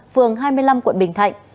phường hai mươi năm quận bình thạnh